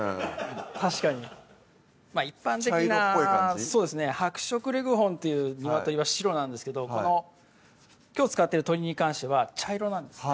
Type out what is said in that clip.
確かにまぁ一般的な白色レグホンっていう鶏は白なんですけどきょう使ってる鶏に関しては茶色なんですね